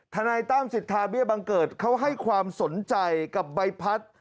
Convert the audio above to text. ทนายตั้มสิทธาเบี้ยบังเกิดเขาให้ความสนใจกับใบพัด